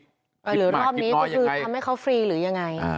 ถ้ารอบนี้ทำให้เขาฟรีหรือกันยังไง